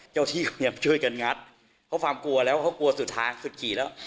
เจ้าที่เนี่ยช่วยกันงัดเพราะความกลัวแล้วเขากลัวสุดท้ายสุดขี่แล้ว